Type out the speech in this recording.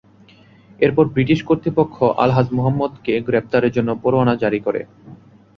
এরপরে ব্রিটিশ কর্তৃপক্ষ আলহাজ মুহাম্মদকে গ্রেপ্তারের জন্য পরোয়ানা জারি করে।